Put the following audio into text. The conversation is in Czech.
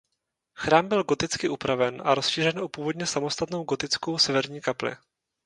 Chrám byl goticky upraven a rozšířen o původně samostatnou gotickou severní kapli.